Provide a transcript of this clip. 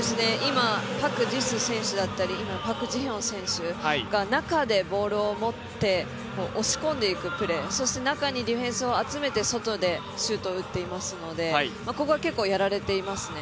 パク・ジス選手だったりパク・ジヒョン選手だったりがボールを持って押し込んでいくプレーそして中にディフェンスを集めて外でシュートを打っていますのでここは結構、やられていますね。